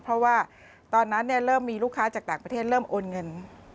เพราะว่าตอนนั้นเริ่มมีลูกค้าจากต่างประเทศเริ่มโอนเงิน